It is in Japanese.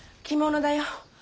着物だよ。